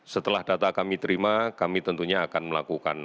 setelah data kami terima kami tentunya akan melakukan